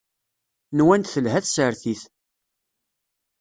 Nwant telha tsertit.